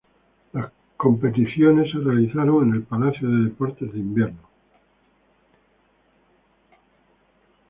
Las competiciones se realizaron en el Palacio de Deportes de Invierno.